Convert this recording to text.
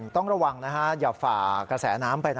ต้องระวังอย่าฝากระแสน้ำไป